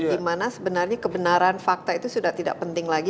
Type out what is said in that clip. dimana sebenarnya kebenaran fakta itu sudah tidak penting lagi